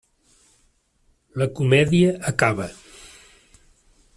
La comèdia acaba.